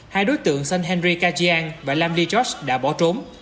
hai đối tượng sơn henry kajian và lam lee george đã bỏ trốn